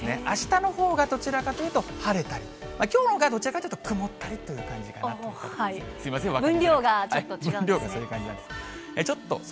あしたのほうが、どちらかというと晴れたり、きょうのほうが、どちらかというと曇ったりという感じで、すみません、分かりづら分量がちょっと。